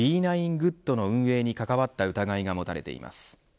ＧＯＯＤの運営に関わった疑いが持たれています。